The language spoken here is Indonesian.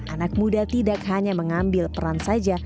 anak muda tidak hanya mengambil peran saja